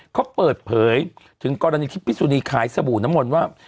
เขาเปิดเผยถึงกรณีที่พิสุนีขายสบู่น้ำมนต์ว่า